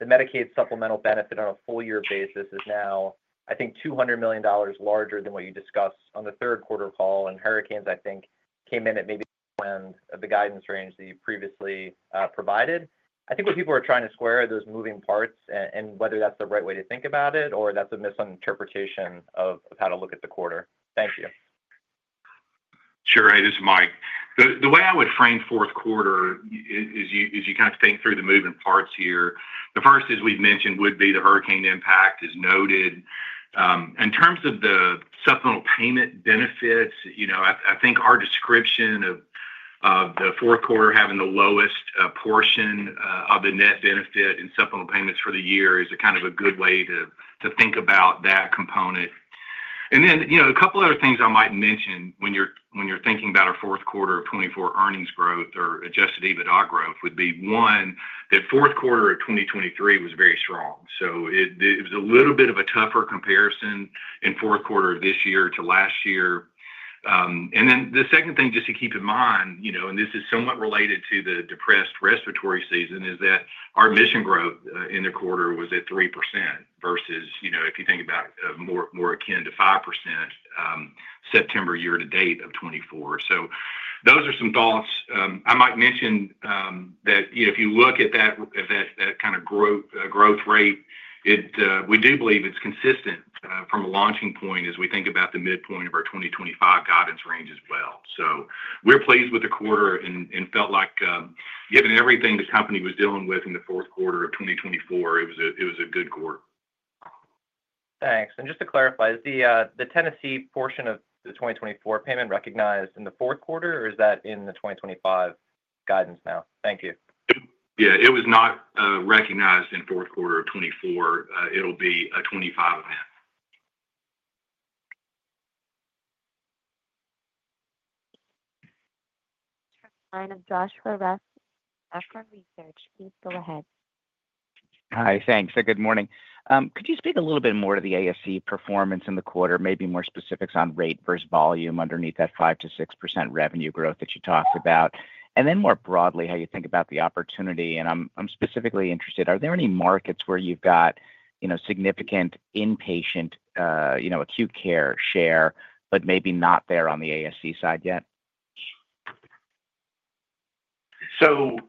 [SPEAKER 18] the Medicaid supplemental benefit on a full-year basis is now, I think, $200 million larger than what you discussed on the third quarter call. And hurricanes, I think, came in at maybe the end of the guidance range that you previously provided. I think what people are trying to square are those moving parts and whether that's the right way to think about it or that's a misinterpretation of how to look at the quarter. Thank you.
[SPEAKER 4] Sure. Hey, this is Mike. The way I would frame fourth quarter is you kind of think through the moving parts here. The first, as we've mentioned, would be the hurricane impact is noted. In terms of the supplemental payment benefits, I think our description of the fourth quarter having the lowest portion of the net benefit in supplemental payments for the year is kind of a good way to think about that component. And then a couple of other things I might mention when you're thinking about our fourth quarter of 2024 earnings growth or Adjusted EBITDA growth would be, one, that fourth quarter of 2023 was very strong. So it was a little bit of a tougher comparison in fourth quarter of this year to last year. And then the second thing just to keep in mind, and this is somewhat related to the depressed respiratory season, is that our admission growth in the quarter was at 3% versus if you think about more akin to 5% September year to date of 2024. So those are some thoughts. I might mention that if you look at that kind of growth rate, we do believe it's consistent from a launching point as we think about the midpoint of our 2025 guidance range as well. So we're pleased with the quarter and felt like given everything the company was dealing with in the fourth quarter of 2024, it was a good quarter.
[SPEAKER 18] Thanks. And just to clarify, is the Tennessee portion of the 2024 payment recognized in the fourth quarter, or is that in the 2025 guidance now? Thank you.
[SPEAKER 4] Yeah. It was not recognized in fourth quarter of 2024. It'll be a 2025 event.
[SPEAKER 1] Line of Joshua Raskin, Nephron Research. Please go ahead.
[SPEAKER 19] Hi. Thanks. Good morning. Could you speak a little bit more to the ASC performance in the quarter, maybe more specifics on rate versus volume underneath that 5% to 6% revenue growth that you talked about? And then more broadly, how you think about the opportunity. And I'm specifically interested, are there any markets where you've got significant inpatient acute care share, but maybe not there on the ASC side yet?
[SPEAKER 4] So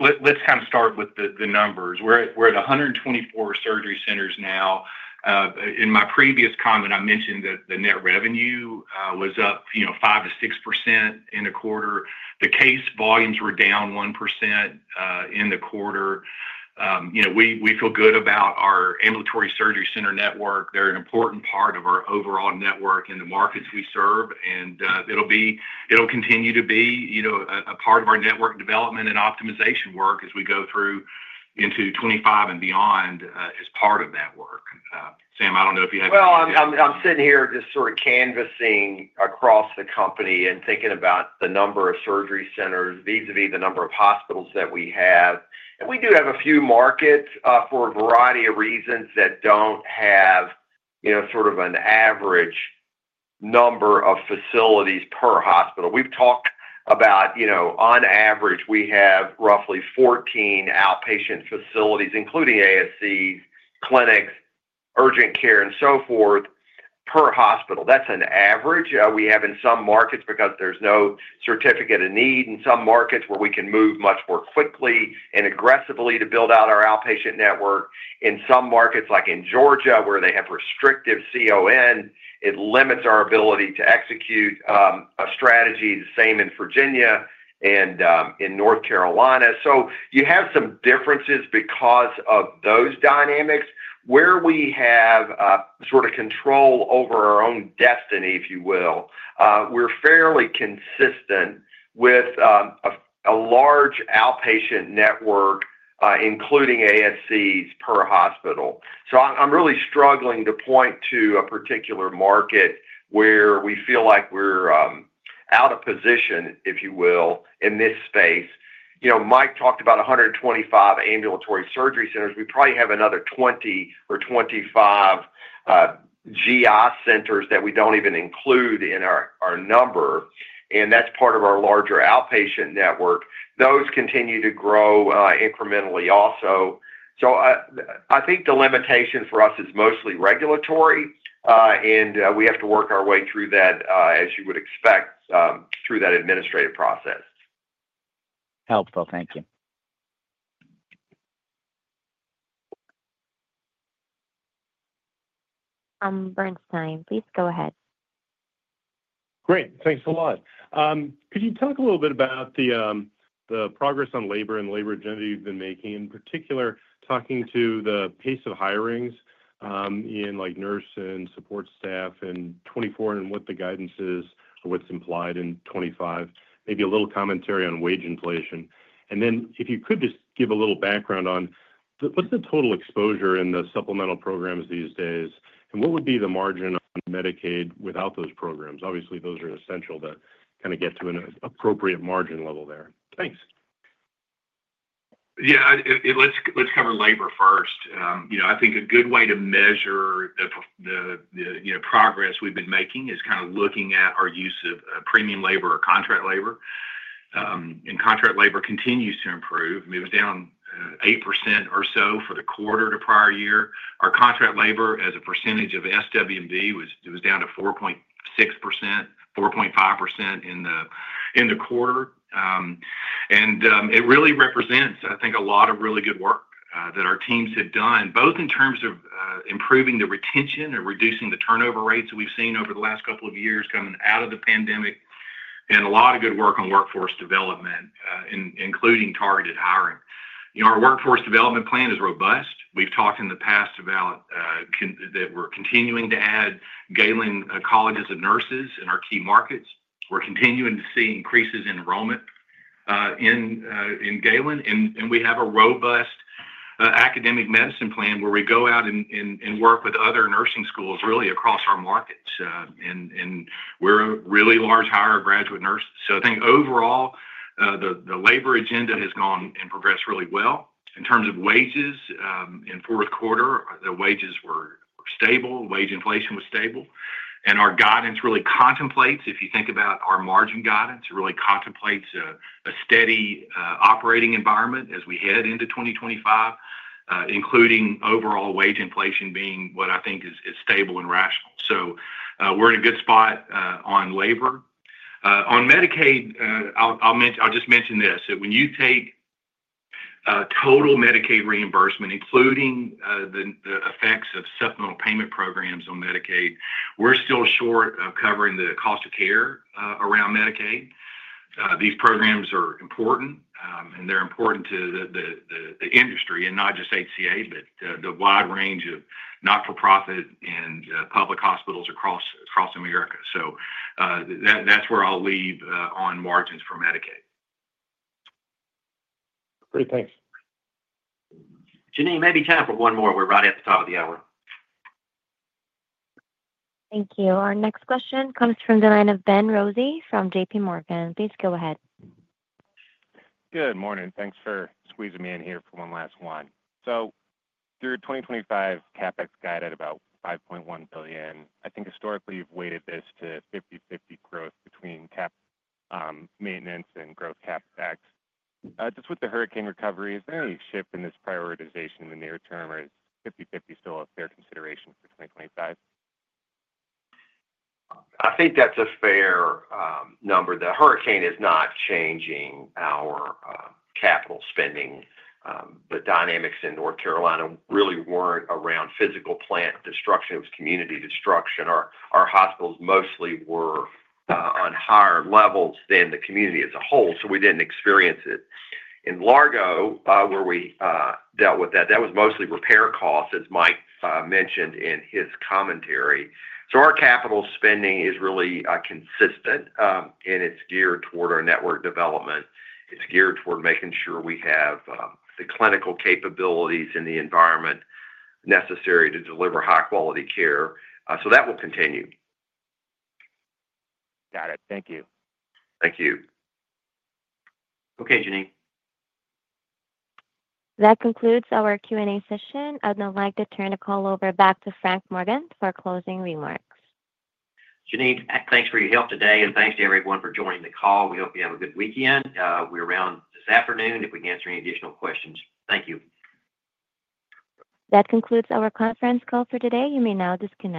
[SPEAKER 4] let's kind of start with the numbers. We're at 124 surgery centers now. In my previous comment, I mentioned that the net revenue was up 5% to 6% in the quarter. The case volumes were down 1% in the quarter. We feel good about our ambulatory surgery center network. They're an important part of our overall network and the markets we serve. And it'll continue to be a part of our network development and optimization work as we go through into 2025 and beyond as part of that work. Sam, I don't know if you have anything to add.
[SPEAKER 3] I'm sitting here just sort of canvassing across the company and thinking about the number of surgery centers, vis-à-vis the number of hospitals that we have. We do have a few markets for a variety of reasons that don't have sort of an average number of facilities per hospital. We've talked about, on average, we have roughly 14 outpatient facilities, including ASCs, clinics, urgent care, and so forth per hospital. That's an average. We have in some markets because there's no Certificate of Need in some markets where we can move much more quickly and aggressively to build out our outpatient network. In some markets, like in Georgia, where they have restrictive CON, it limits our ability to execute a strategy. The same in Virginia and in North Carolina. You have some differences because of those dynamics. Where we have sort of control over our own destiny, if you will, we're fairly consistent with a large outpatient network, including ASCs per hospital. So I'm really struggling to point to a particular market where we feel like we're out of position, if you will, in this space. Mike talked about 125 ambulatory surgery centers. We probably have another 20 or 25 GI centers that we don't even include in our number. And that's part of our larger outpatient network. Those continue to grow incrementally also. So I think the limitation for us is mostly regulatory. And we have to work our way through that, as you would expect, through that administrative process.
[SPEAKER 19] Helpful. Thank you.
[SPEAKER 1] From Bernstein, please go ahead.
[SPEAKER 20] Great. Thanks a lot. Could you talk a little bit about the progress on labor and the labor agenda you've been making, in particular talking about the pace of hiring nurses and support staff in 2024 and what the guidance is or what's implied in 2025? Maybe a little commentary on wage inflation. And then if you could just give a little background on what's the total exposure in the supplemental programs these days, and what would be the margin on Medicaid without those programs? Obviously, those are essential to kind of get to an appropriate margin level there. Thanks.
[SPEAKER 4] Yeah. Let's cover labor first. I think a good way to measure the progress we've been making is kind of looking at our use of premium labor or contract labor. And contract labor continues to improve. It was down 8% or so for the quarter to prior year. Our contract labor, as a percentage of SWB, was down to 4.6%, 4.5% in the quarter. And it really represents, I think, a lot of really good work that our teams have done, both in terms of improving the retention and reducing the turnover rates that we've seen over the last couple of years coming out of the pandemic, and a lot of good work on workforce development, including targeted hiring. Our workforce development plan is robust. We've talked in the past about that we're continuing to add Galen Colleges of Nursing in our key markets. We're continuing to see increases in enrollment in Galen. And we have a robust academic medicine plan where we go out and work with other nursing schools really across our markets. And we're a really large hirer of graduate nurses. So I think overall, the labor agenda has gone and progressed really well. In terms of wages in fourth quarter, the wages were stable. Wage inflation was stable. And our guidance really contemplates, if you think about our margin guidance, it really contemplates a steady operating environment as we head into 2025, including overall wage inflation being what I think is stable and rational. So we're in a good spot on labor. On Medicaid, I'll just mention this. When you take total Medicaid reimbursement, including the effects of supplemental payment programs on Medicaid, we're still short of covering the cost of care around Medicaid. These programs are important, and they're important to the industry, and not just HCA, but the wide range of not-for-profit and public hospitals across America. So that's where I'll leave on margins for Medicaid.
[SPEAKER 20] Great. Thanks.
[SPEAKER 3] Janine, maybe time for one more. We're right at the top of the hour.
[SPEAKER 1] Thank you. Our next question comes from the line of Ben Rossi from JPMorgan. Please go ahead.
[SPEAKER 21] Good morning. Thanks for squeezing me in here for one last one. So through 2025, CapEx guided about $5.1 billion. I think historically you've weighted this to 50/50 growth between cap maintenance and growth CapEx. Just with the hurricane recovery, is there any shift in this prioritization in the near term, or is 50/50 still a fair consideration for 2025?
[SPEAKER 3] I think that's a fair number. The hurricane is not changing our capital spending. The dynamics in North Carolina really weren't around physical plant destruction. It was community destruction. Our hospitals mostly were on higher levels than the community as a whole, so we didn't experience it. In Largo, where we dealt with that, that was mostly repair costs, as Mike mentioned in his commentary. So our capital spending is really consistent, and it's geared toward our network development. It's geared toward making sure we have the clinical capabilities and the environment necessary to deliver high-quality care. So that will continue.
[SPEAKER 21] Got it. Thank you.
[SPEAKER 3] Thank you. Okay, Janine.
[SPEAKER 1] That concludes our Q and A session. I'd now like to turn the call over back to Frank Morgan for closing remarks.
[SPEAKER 2] Janine, thanks for your help today. And thanks to everyone for joining the call. We hope you have a good weekend. We're around this afternoon. If we can answer any additional questions, thank you.
[SPEAKER 1] That concludes our conference call for today. You may now disconnect.